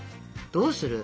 どうする？